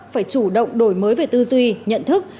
phải chủ động đổi mới về tư duy nhận thức